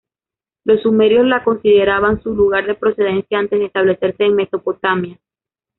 Los sumerios la consideraban su lugar de procedencia antes de establecerse en Mesopotamia.